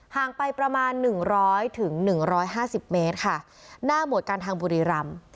ห่างไปประมาณ๑๐๐๑๕๐เมตรค่ะหน้าหมวดการทางบุรีรำ